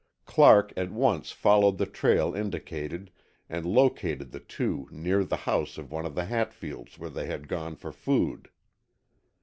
Clark at once followed the trail indicated and located the two near the house of one of the Hatfields where they had gone for food.